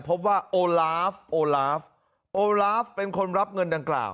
พบว่าโอลาฟโอลาฟโอลาฟเป็นคนรับเงินดังกล่าว